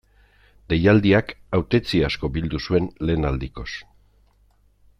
Deialdiak hautetsi asko bildu zuen lehen aldikoz.